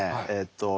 えっと